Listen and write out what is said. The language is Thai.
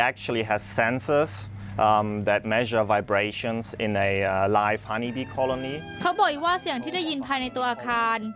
เขาบอกว่าเสียงที่ได้ยินภายในตัวอาคาร